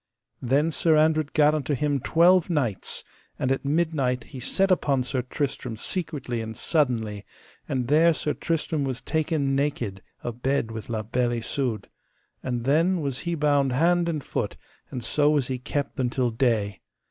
Then Sir Andred gat unto him twelve knights, and at midnight he set upon Sir Tristram secretly and suddenly and there Sir Tristram was taken naked abed with La Beale Isoud, and then was he bound hand and foot, and so was he kept until day.